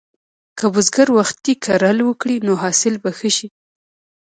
که بزګر وختي کر وکړي، نو حاصل به ښه شي.